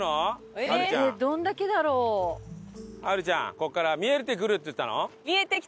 ここから見えてくるって言ったの？